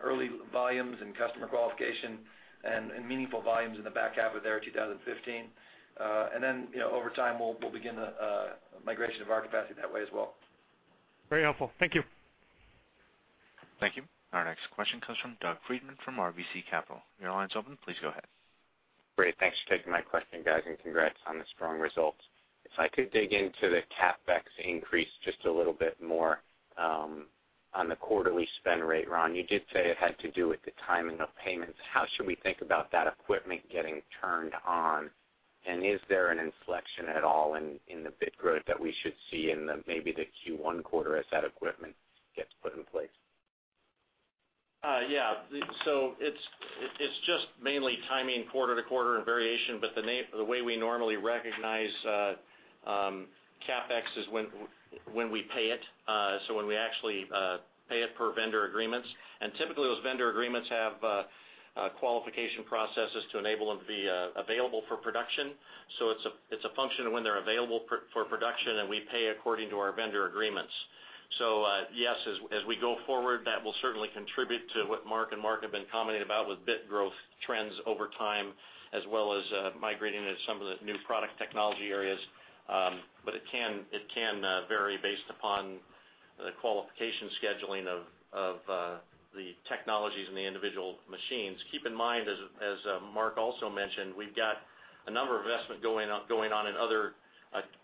early volumes and customer qualification and meaningful volumes in the back half of their 2015. Then, over time, we'll begin the migration of our capacity that way as well. Very helpful. Thank you. Thank you. Our next question comes from Doug Freedman from RBC Capital. Your line is open. Please go ahead. Great. Thanks for taking my question, guys. Congrats on the strong results. If I could dig into the CapEx increase just a little bit more on the quarterly spend rate, Ron, you did say it had to do with the timing of payments. How should we think about that equipment getting turned on? Is there an inflection at all in the bit growth that we should see in maybe the Q1 quarter as that equipment gets put in place? It's just mainly timing quarter to quarter and variation. The way we normally recognize CapEx is when we pay it, when we actually pay it per vendor agreements. Typically, those vendor agreements have qualification processes to enable them to be available for production. It's a function of when they're available for production. We pay according to our vendor agreements. Yes, as we go forward, that will certainly contribute to what Mark and Mark have been commenting about with bit growth trends over time, as well as migrating some of the new product technology areas. It can vary based upon the qualification scheduling of the technologies and the individual machines. Keep in mind, as Mark also mentioned, we've got a number of investment going on in other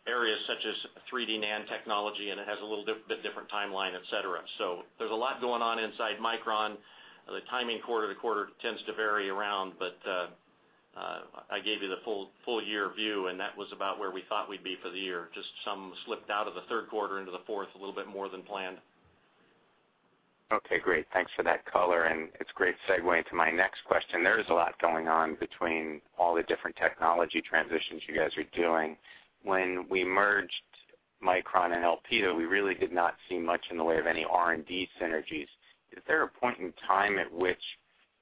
areas, such as 3D NAND technology. It has a little bit different timeline, et cetera. There's a lot going on inside Micron. The timing quarter to quarter tends to vary around. I gave you the full year view. That was about where we thought we'd be for the year. Just some slipped out of the third quarter into the fourth, a little bit more than planned. Okay, great. Thanks for that color. It's a great segue into my next question. There is a lot going on between all the different technology transitions you guys are doing. When we merged Micron and Elpida, we really did not see much in the way of any R&D synergies. Is there a point in time at which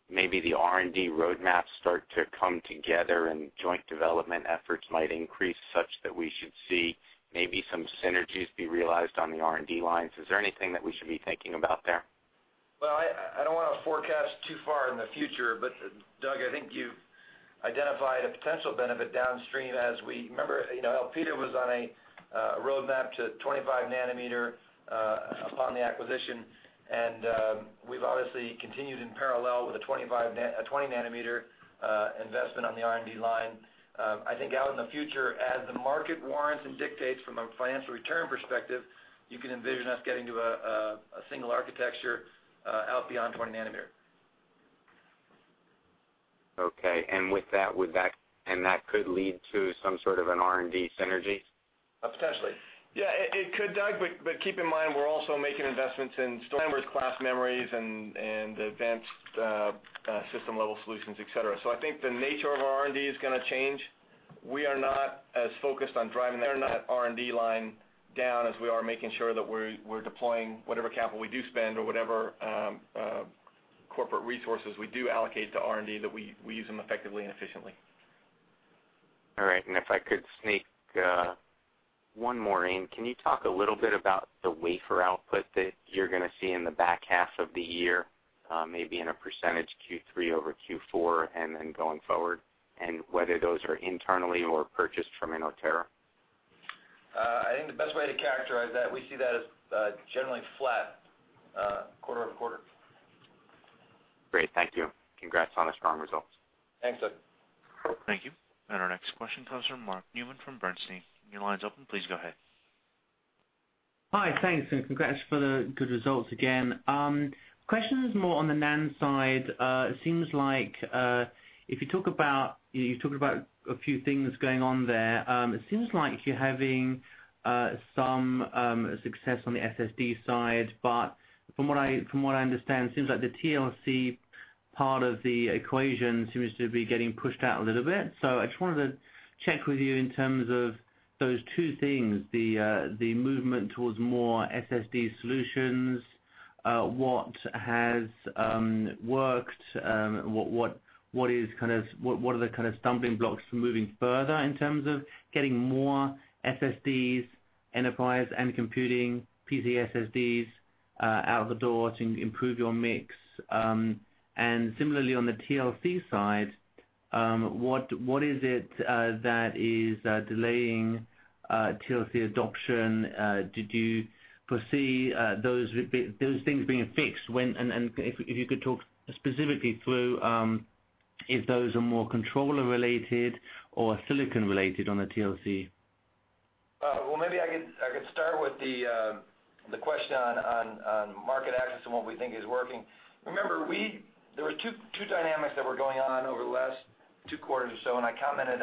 maybe the R&D roadmaps start to come together and joint development efforts might increase such that we should see maybe some synergies be realized on the R&D lines? Is there anything that we should be thinking about there? I don't want to forecast too far in the future, but Doug, I think you've identified a potential benefit downstream. Remember, Elpida was on a roadmap to 25-nanometer upon the acquisition, and we've obviously continued in parallel with a 20-nanometer investment on the R&D line. I think out in the future, as the market warrants and dictates from a financial return perspective, you can envision us getting to a single architecture out beyond 20-nanometer. Okay. That could lead to some sort of an R&D synergy? Potentially. Yeah, it could, Doug, but keep in mind, we're also making investments in storage class memories and advanced system-level solutions, et cetera. I think the nature of our R&D is going to change. We are not as focused on driving that R&D line down as we are making sure that we're deploying whatever capital we do spend or whatever corporate resources we do allocate to R&D, that we use them effectively and efficiently. All right. If I could sneak one more in. Can you talk a little bit about the wafer output that you're going to see in the back half of the year, maybe in a percentage Q3 over Q4, and then going forward, and whether those are internally or purchased from Inotera? I think the best way to characterize that, we see that as generally flat quarter-over-quarter. Great. Thank you. Congrats on a strong result. Thanks, Doug. Thank you. Our next question comes from Mark Newman from Bernstein. Your line's open. Please go ahead. Hi. Thanks, congrats for the good results again. Question is more on the NAND side. You talked about a few things going on there. It seems like you're having some success on the SSD side, but from what I understand, it seems like the TLC part of the equation seems to be getting pushed out a little bit. I just wanted to check with you in terms of those 2 things, the movement towards more SSD solutions, what has worked, what are the kind of stumbling blocks for moving further in terms of getting more SSDs, enterprise end computing, PC SSDs out the door to improve your mix, and similarly, on the TLC side, what is it that is delaying TLC adoption? Did you foresee those things being fixed, and if you could talk specifically through if those are more controller-related or silicon-related on the TLC. Maybe I could start with the question on market access and what we think is working. Remember, there were 2 dynamics that were going on over the last 2 quarters or so, and I commented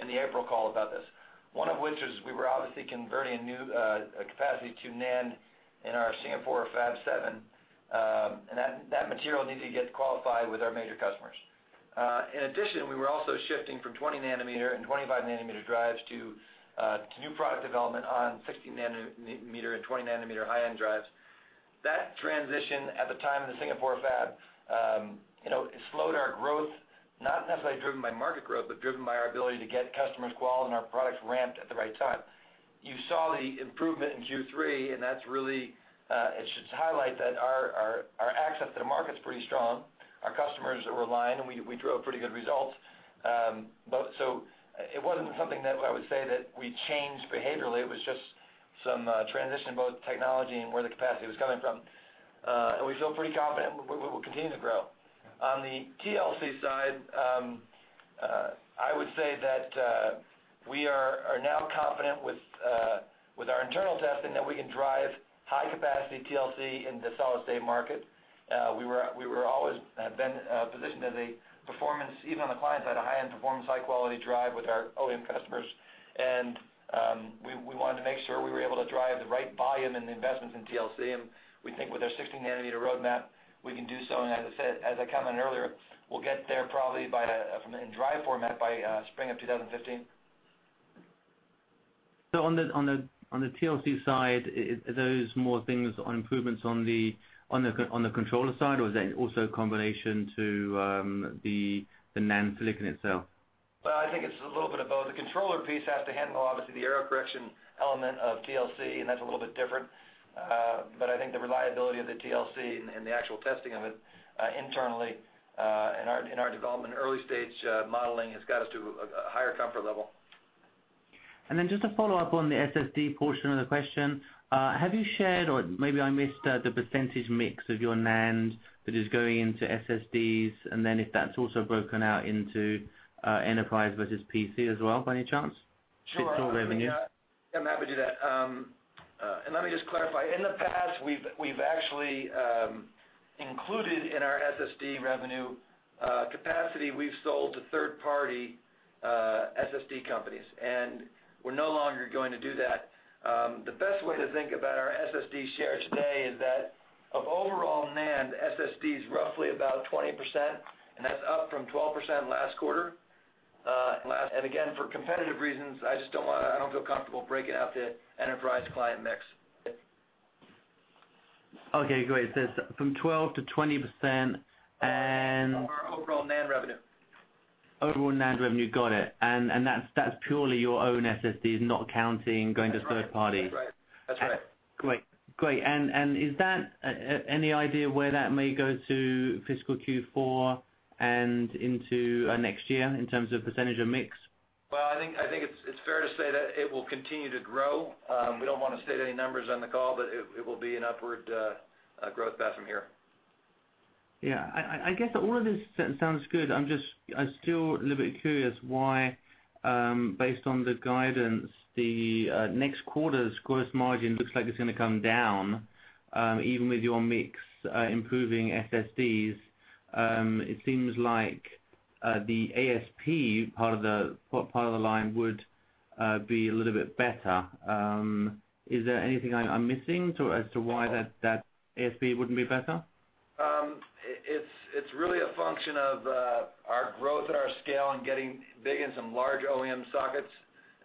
in the April call about this, one of which is we were obviously converting a capacity to NAND in our Singapore Fab 7, and that material needed to get qualified with our major customers. In addition, we were also shifting from 20-nanometer and 25-nanometer drives to new product development on 16-nanometer and 20-nanometer high-end drives. That transition at the time in the Singapore Fab slowed our growth, not necessarily driven by market growth, but driven by our ability to get customers qualled and our products ramped at the right time. You saw the improvement in Q3. It should highlight that our access to the market's pretty strong. Our customers are relying. We drove pretty good results. It wasn't something that I would say that we changed behaviorally. It was just some transition in both technology and where the capacity was coming from. We feel pretty confident we'll continue to grow. On the TLC side, I would say that we are now confident with our internal testing that we can drive high-capacity TLC in the solid-state market. We were always positioned as a performance, even on the client side, a high-end performance, high-quality drive with our OEM customers, and we wanted to make sure we were able to drive the right volume and the investments in TLC, and we think with our 16-nanometer roadmap, we can do so. As I said, as I commented earlier, we'll get there probably in drive format by spring of 2015. On the TLC side, are those more things on improvements on the controller side, or is that also a combination to the NAND silicon itself? I think it's a little bit of both. The controller piece has to handle, obviously, the error correction element of TLC, and that's a little bit different. I think the reliability of the TLC and the actual testing of it internally, in our development early-stage modeling has got us to a higher comfort level. Just to follow up on the SSD portion of the question, have you shared, or maybe I missed the percentage mix of your NAND that is going into SSDs, and then if that's also broken out into enterprise versus PC as well, by any chance? Sure. Total revenue. Yeah, I'm happy to do that. Let me just clarify. In the past, we've actually included in our SSD revenue capacity we've sold to third-party SSD companies, and we're no longer going to do that. The best way to think about our SSD share today is that of overall NAND, SSD is roughly about 20%, and that's up from 12% last quarter. Again, for competitive reasons, I don't feel comfortable breaking out the enterprise client mix. Okay, great. It's from 12% to 20%. Of our overall NAND revenue. Overall NAND revenue, got it. That's purely your own SSDs, not counting going to third party. That's right. Is that any idea where that may go to fiscal Q4 and into next year in terms of percentage of mix? Well, I think it's fair to say that it will continue to grow. We don't want to state any numbers on the call, but it will be an upward growth path from here. Yeah. I guess all of this sounds good. I'm still a little bit curious why, based on the guidance, the next quarter's gross margin looks like it's going to come down, even with your mix improving SSDs. It seems like the ASP part of the line would be a little bit better. Is there anything I'm missing as to why that ASP wouldn't be better? It's really a function of our growth and our scale and getting big in some large OEM sockets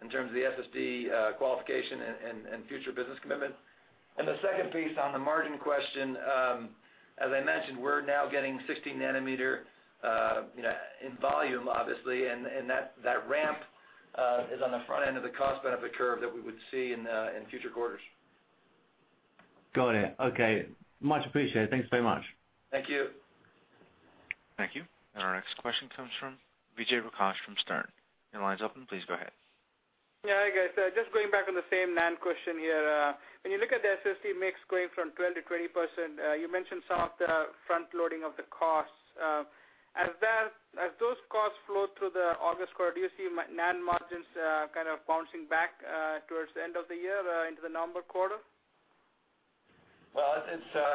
in terms of the SSD qualification and future business commitment. The second piece on the margin question, as I mentioned, we're now getting 16-nanometer, in volume, obviously, and that ramp is on the front end of the cost benefit curve that we would see in future quarters. Got it. Okay. Much appreciated. Thanks very much. Thank you. Thank you. Our next question comes from Vijay Rakesh from Sterne Agee. Your line's open. Please go ahead. Yeah, hi, guys. Just going back on the same NAND question here. When you look at the SSD mix going from 20% to 20%, you mentioned some of the front-loading of the costs. As those costs flow through the August quarter, do you see NAND margins kind of bouncing back towards the end of the year into the November quarter? Well,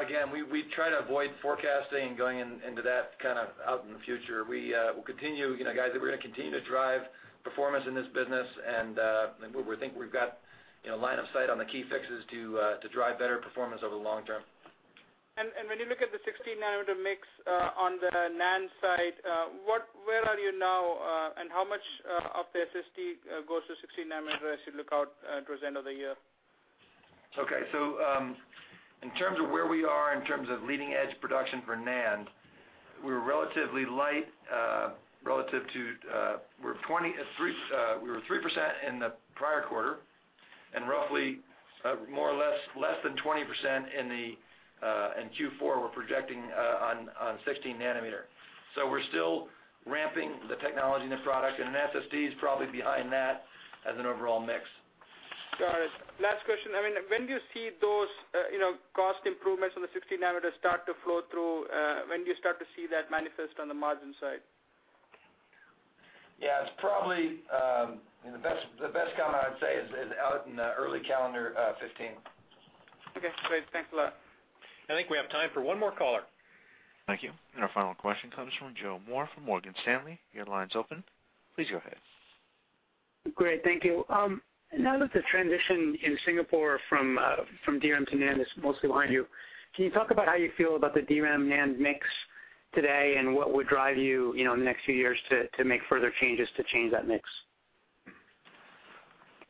again, we try to avoid forecasting going into that out in the future. We're going to continue to drive performance in this business, and we think we've got line of sight on the key fixes to drive better performance over the long term. When you look at the 16-nanometer mix on the NAND side, where are you now and how much of the SSD goes to 16-nanometer as you look out towards the end of the year? Okay. In terms of where we are in terms of leading-edge production for NAND, we were 3% in the prior quarter and roughly, more or less, less than 20% in Q4 we're projecting on 16-nanometer. We're still ramping the technology in the product, and an SSD is probably behind that as an overall mix. Got it. Last question. When do you see those cost improvements on the 16-nanometer start to flow through? When do you start to see that manifest on the margin side? Yeah. The best comment I'd say is out in early calendar 2015. Okay, great. Thanks a lot. I think we have time for one more caller. Thank you. Our final question comes from Joseph Moore from Morgan Stanley. Your line's open. Please go ahead. Great. Thank you. Now that the transition in Singapore from DRAM to NAND is mostly behind you, can you talk about how you feel about the DRAM/NAND mix today, and what would drive you, in the next few years, to make further changes to change that mix?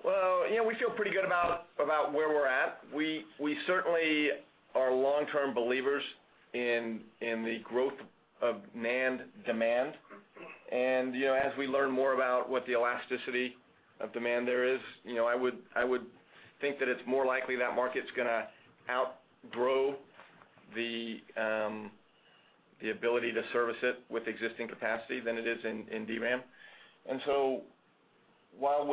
Well, we feel pretty good about where we're at. We certainly are long-term believers in the growth of NAND demand. As we learn more about what the elasticity of demand there is, I would think that it's more likely that market's going to outgrow the ability to service it with existing capacity than it is in DRAM. While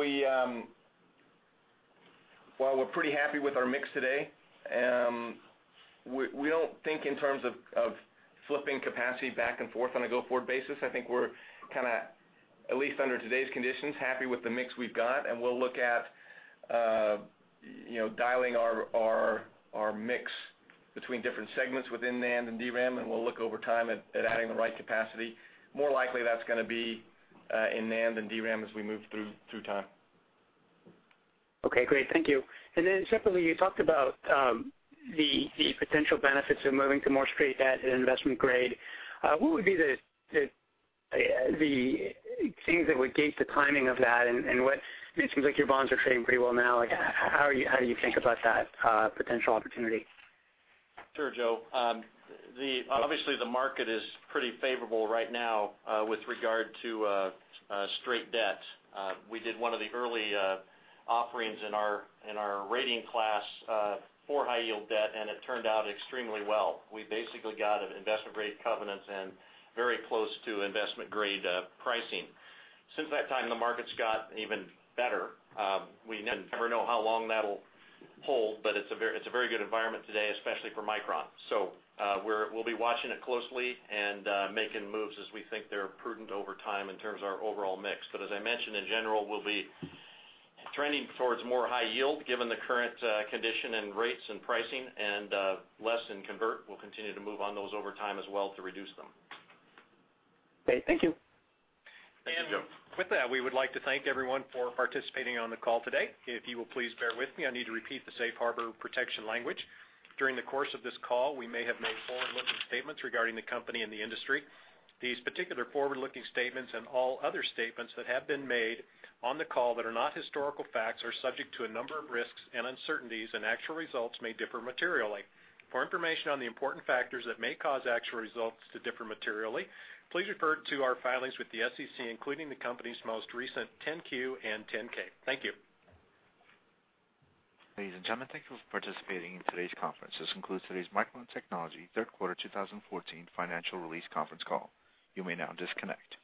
we're pretty happy with our mix today, we don't think in terms of flipping capacity back and forth on a go-forward basis. I think we're, at least under today's conditions, happy with the mix we've got, and we'll look at dialing our mix between different segments within NAND and DRAM, and we'll look over time at adding the right capacity. More likely, that's going to be in NAND than DRAM as we move through time. Okay, great. Thank you. Separately, you talked about the potential benefits of moving to more straight debt and investment grade. What would be the things that would gate the timing of that? It seems like your bonds are trading pretty well now. How do you think about that potential opportunity? Sure, Joe. Obviously, the market is pretty favorable right now with regard to straight debt. We did one of the early offerings in our rating class for high-yield debt, and it turned out extremely well. We basically got investment-grade covenants and very close to investment-grade pricing. Since that time, the market's got even better. We never know how long that'll hold, but it's a very good environment today, especially for Micron. We'll be watching it closely and making moves as we think they're prudent over time in terms of our overall mix. As I mentioned, in general, we'll be trending towards more high yield given the current condition and rates and pricing, and less in convert. We'll continue to move on those over time as well to reduce them. Great. Thank you. Thank you, Joe. With that, we would like to thank everyone for participating on the call today. If you will please bear with me, I need to repeat the safe harbor protection language. During the course of this call, we may have made forward-looking statements regarding the company and the industry. These particular forward-looking statements and all other statements that have been made on the call that are not historical facts are subject to a number of risks and uncertainties, and actual results may differ materially. For information on the important factors that may cause actual results to differ materially, please refer to our filings with the SEC, including the company's most recent 10-Q and 10-K. Thank you. Ladies and gentlemen, thank you for participating in today's conference. This concludes today's Micron Technology third quarter 2014 financial release conference call. You may now disconnect.